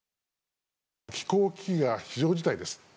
気候危機が非常事態です。